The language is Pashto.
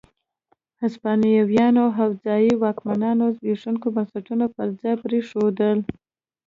هسپانويانو او ځايي واکمنانو زبېښونکي بنسټونه پر ځای پرېښودل.